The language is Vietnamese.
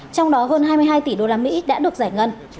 trong đó hơn hai mươi hai tỷ usd đã được giải ngân